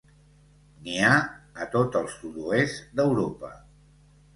N'hi ha a tot el sud-oest d'Europa.